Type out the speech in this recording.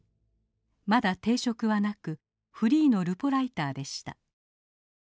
まだ定職はなくフリーのルポライターでした。